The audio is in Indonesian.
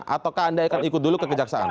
ataukah anda akan ikut dulu ke kejaksaan